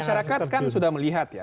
masyarakat kan sudah melihat ya